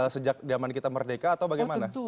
sejak zaman kita merdeka atau bagaimana